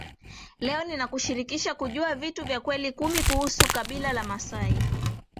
Leo ninakushirikisha kujuwa vitu vya kweli kumi kuhusu kabila la maasai